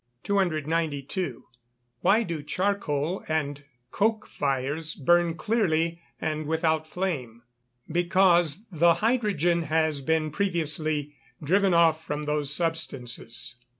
292. Why do charcoal and coke fires burn clearly and without flame? Because the hydrogen has been previously driven off from those substances.